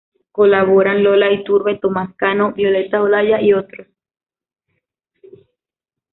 Colaboraban Lola Iturbe, Tomás Cano, Violeta Olaya y otros.